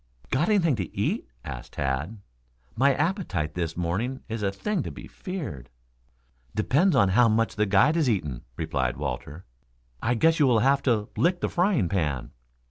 "Got anything to eat?" asked Tad. "My appetite this morning is a thing to be feared." "Depends upon how much the guide has eaten," replied Walter. "I guess you will have to lick the frying pan."